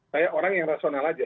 saya orang yang rasional aja